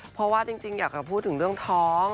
เพราะว่าจริงอยากจะพูดถึงเรื่องท้อง